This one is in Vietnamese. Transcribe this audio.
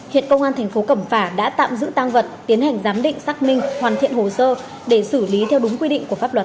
hiện công an thành phố cẩm phả đã tạm giữ tăng vật tiến hành giám định xác minh hoàn thiện hồ sơ để xử lý theo đúng quy định của pháp luật